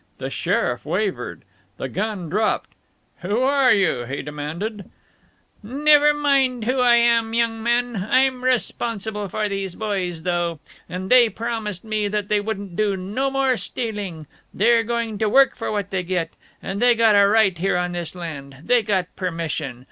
The sheriff wavered. The gun dropped. "Who are you?" he demanded. "Never you mind who I am, young man. I'm responsible for these boys, though. And they promised me they wouldn't do no more stealing. They're going to work for what they get. And they got a right here on this land. They got permission.